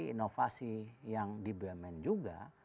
inovasi yang di bumn juga